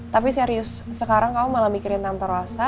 tapi serius sekarang kamu malah mikirin tante rosa